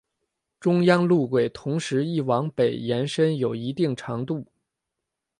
中央路轨同时亦往北延伸有一定长度。